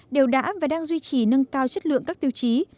đều đã và đang duy trì nâng cao chất lượng các tiêu chí